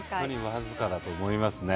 僅かだと思いますね。